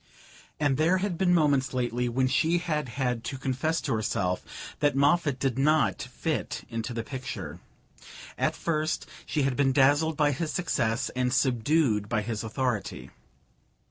And there had been moments lately when she had had to confess to herself that Moffatt did not fit into the picture. At first she had been dazzled by his success and subdued by his authority.